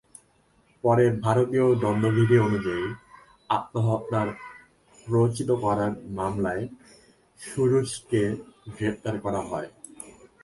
পরে ভারতীয় দণ্ডবিধি অনুযায়ী আত্মহত্যায় প্ররোচিত করার মামলায় সুরুজকে গ্রেপ্তার করা হয়।